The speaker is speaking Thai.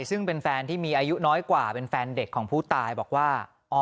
ซึ่งเป็นแฟนที่มีอายุน้อยกว่าเป็นแฟนเด็กของผู้ตายบอกว่า